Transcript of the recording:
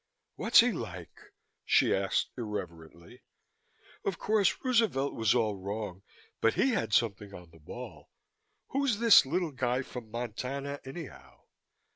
"What's he like?" she asked irrelevantly. "Of course, Roosevelt was all wrong but he had something on the ball. Who's this little guy from Montana, anyhow?"